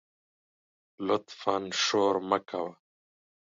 لطفآ شور مه کوه